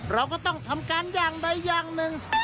เราก็ต้องทำการอย่างใดอย่างหนึ่ง